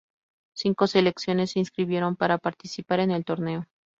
Cinco selecciones se inscribieron para participar en el torneo.